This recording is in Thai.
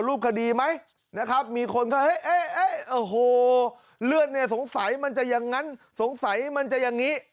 เลือดสงสัยมันจะอย่างนั้นสงสัยมันจะอย่างนี้